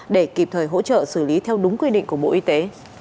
để kịp thời hỗ trợ xử lý theo đúng quy định của bộ y tế